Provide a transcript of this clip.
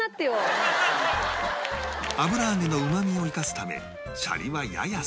油揚げのうまみを生かすためシャリはやや少なめ